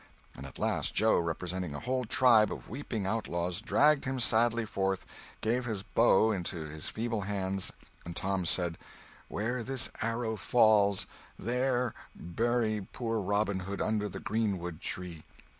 And at last Joe, representing a whole tribe of weeping outlaws, dragged him sadly forth, gave his bow into his feeble hands, and Tom said, "Where this arrow falls, there bury poor Robin Hood under the greenwood tree."